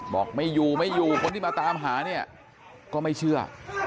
บอกไม่อยู่ไม่อยู่คนที่มาตามหาเนี่ยก็ไม่เชื่อ